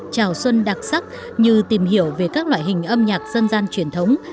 chào xuân đặc sắc như tìm hiểu về các loại hình âm nhạc dân gian truyền thống